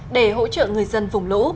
để hỗ trợ người dân vùng lũ